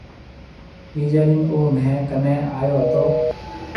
ٻيجَي ڏِن او مهيَ ڪنيَ آيو هتو۔